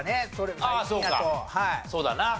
そうだな。